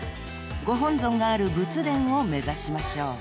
［ご本尊がある仏殿を目指しましょう］